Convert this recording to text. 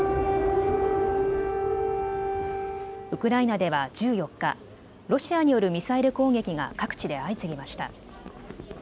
ウクライナでは１４日、ロシアによるミサイル攻撃が各地で相次ぎました。